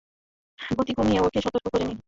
গতি কমিয়ে ওকে সতর্ক করিনি।